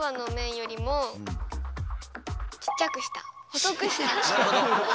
細くした？